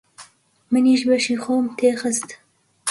منیش بەشی خۆم تێ خست.